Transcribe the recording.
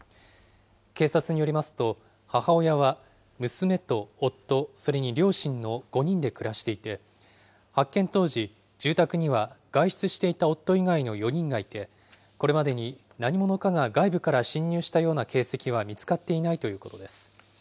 警察によりますと、母親は娘と夫、それに両親の５人で暮らしていて、発見当時、住宅には外出していた夫以外の４人がいて、これまでに何者かが外部から侵入したような形跡は見つかっていないということです。